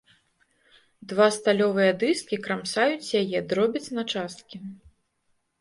Два сталёвыя дыскі крамсаюць яе, дробяць на часткі.